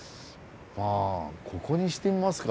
ここにしてみますか。